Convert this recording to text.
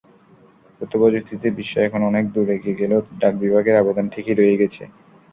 তথ্যপ্রযুক্তিতে বিশ্ব এখন অনেক দূর এগিয়ে গেলেও ডাক বিভাগের আবেদন ঠিকই রয়ে গেছে।